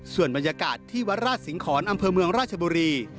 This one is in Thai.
ส่วนบรรยากาศที่วัดราชสิงหอนอำเภอเมืองราชบุรี